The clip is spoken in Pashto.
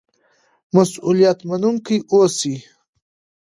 مسؤلیت منونکي اوسئ.